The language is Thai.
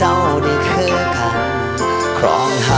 กำลังเปลี่ยนครับ